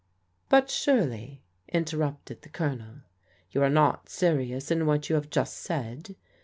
"But surely," interrupted the Colonel, "you are not serious in what you have just said?